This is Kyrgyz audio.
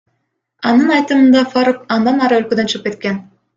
Анын айтымында, Фарук андан ары өлкөдөн чыгып кетет.